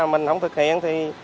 mình không thực hiện